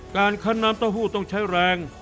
คั้นน้ำเต้าหู้ต้องใช้แรง